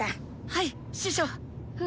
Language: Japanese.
はい師匠。